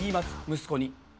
息子に。